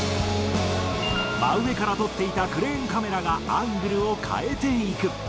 真上から撮っていたクレーンカメラがアングルを変えていく。